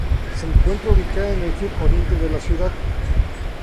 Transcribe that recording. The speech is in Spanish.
Se encuentra ubicada en el sur-oriente de la ciudad.